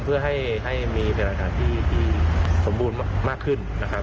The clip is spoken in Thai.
เพื่อให้มีพยาบาลหลักฐานที่สมบูรณ์มากขึ้น